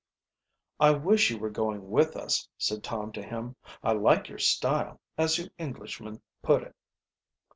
"I wish you were going with us," said Tom to him. "I like your style, as you Englishman put it."